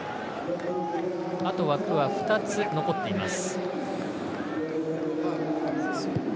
あと枠は２つ残っています。